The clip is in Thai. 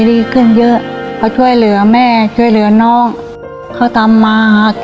ดูแลกว่าจริงแม่ยังมีหลานอีก